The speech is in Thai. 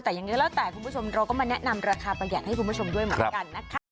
แต่ยังไงก็แล้วแต่คุณผู้ชมเราก็มาแนะนำราคาประหยัดให้คุณผู้ชมด้วยเหมือนกันนะคะ